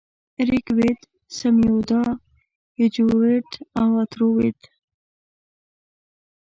ریګ وید، سمویدا، یجوروید او اتارو وید -